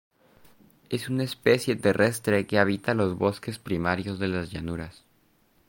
Es una especie terrestre que habita los bosques primarios de las llanuras.